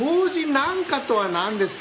「なんか」とはなんですか！